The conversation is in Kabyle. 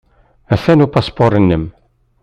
Atan upaspuṛ-nnem.